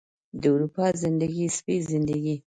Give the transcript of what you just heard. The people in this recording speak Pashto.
د اروپا زندګي، سپۍ زندګي